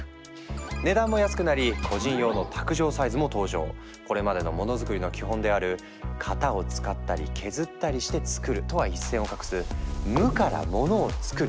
値段も安くなり個人用のこれまでのモノづくりの基本である「型を使ったり削ったりしてつくる」とは一線を画す「無からモノをつくる」